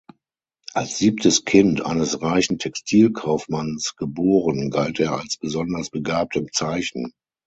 Als siebtes Kind eines reichen Textilkaufmanns geboren, galt er als besonders begabt im Zeichnen.